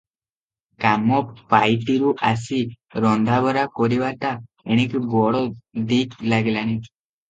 କାମପାଇଟିରୁ ଆସି ରନ୍ଧାବଢ଼ା କରିବାଟା ଏଣିକି ବଡ଼ ଦିକ ଲାଗିଲାଣି ।